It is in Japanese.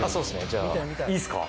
じゃあいいっすか？